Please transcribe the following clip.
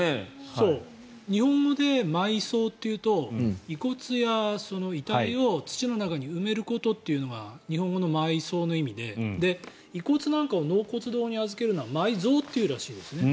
日本語で埋葬というと遺骨や遺体を土の中に埋めることというのが日本語の埋葬の意味で遺骨なんかを納骨堂に預けるのは埋蔵っていうらしいですね。